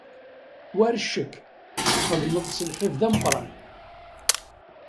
War ccek, txedmeḍ s lḥif d ameqran.